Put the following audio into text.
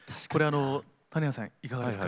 谷原さん、いかがですか？